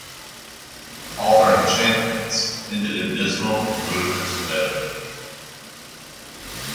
All her enchantments ended in dismal and ludicrous failure.